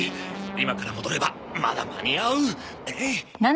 今から戻ればまだ間に合う！